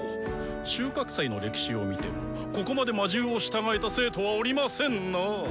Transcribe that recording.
収穫祭の歴史を見てもここまで魔獣を従えた生徒はおりませんなあ！